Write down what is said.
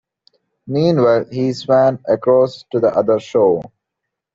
Meanwhile, he swam across to the other shore.